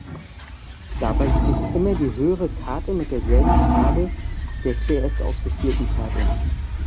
Dabei sticht immer die höhere Karte mit derselben Farbe der zuerst ausgespielten Karte.